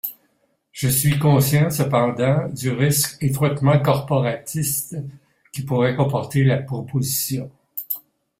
Je suis conscient, cependant, du risque étroitement corporatiste que pourrait comporter la proposition.